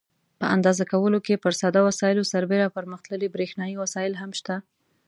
په اندازه کولو کې پر ساده وسایلو سربېره پرمختللي برېښنایي وسایل هم شته.